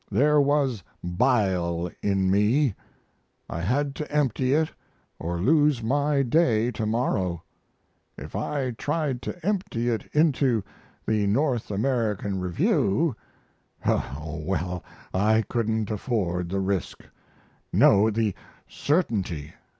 There was bile in me. I had to empty it or lose my day to morrow. If I tried to empty it into the North American Review oh, well, I couldn't afford the risk. No, the certainty!